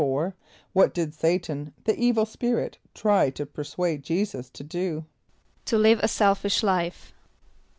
= What did S[=a]´tan, the evil spirit try to persuade J[=e]´[s+]us to do? =To live a selfish life.